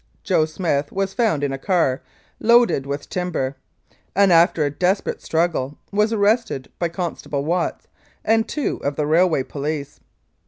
"Joe Smith" was found in a car loaded with timber, and after a desperate struggle, was arrested by Constable Watts and two of the railway police.